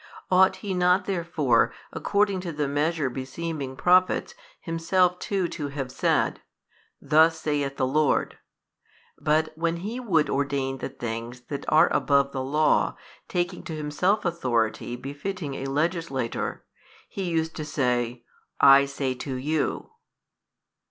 Ought He not |212 therefore, according to the measure beseeming Prophets, Himself too to have said, Thus saith the Lord 26? But when He would ordain the things that are above the Law, taking to Himself authority befitting a Legislator, He used to say, I say to you.